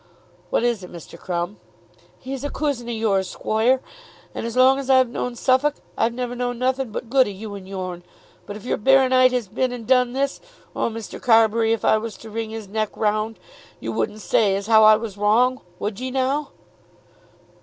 "What is it, Mr. Crumb?" "He's a coosin o' yours, squoire; and long as I've known Suffolk, I've never known nothing but good o' you and yourn. But if your baronite has been and done this! Oh, Mr. Carbury! If I was to wring his neck round, you wouldn't say as how I was wrong; would ye, now?"